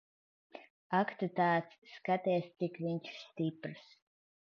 Ak tu tāds. Skaties, cik viņš stiprs.